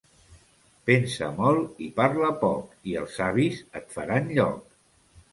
Pensa molt i parla poc i els savis et faran lloc.